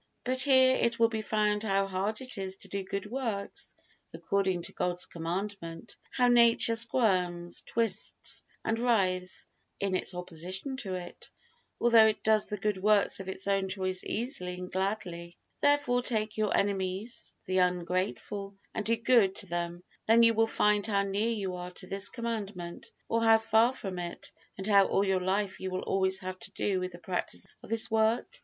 But here it will be found how hard it is to do good works according to God's Commandment, how nature squirms, twists and writhes in its opposition to it, although it does the good works of its own choice easily and gladly. Therefore take your enemies, the ungrateful, and do good to them; then you will find how near you are to this Commandment or how far from it, and how all your life you will always have to do with the practice of this work.